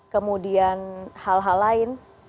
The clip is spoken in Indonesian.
kemudian hal hal lain